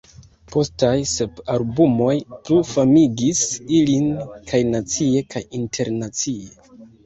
Postaj sep albumoj plu famigis ilin kaj nacie kaj internacie.